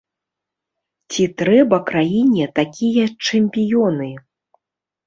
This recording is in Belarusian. Ці трэба краіне такія чэмпіёны?